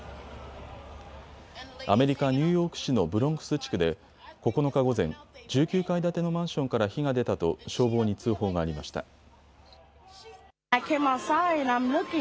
アメリカ・ニューヨーク市のブロンクス地区で９日午前、１９階建てのマンションから火が出たと消防に通報がありました。